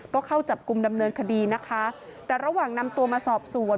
ก็เข้าจับกลุ่มดำเนินคดีนะคะแต่ระหว่างนำตัวมาสอบสวน